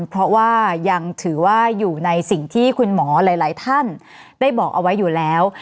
เพราะว่ายังถือว่าอยู่ในสิ่งที่คุณหมอหลายท่านได้บอกเอาไว้อยู่แล้ว